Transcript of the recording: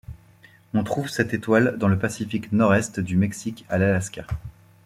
On trouve cette étoile dans le Pacifique Nord-Est, du Mexique à l'Alaska.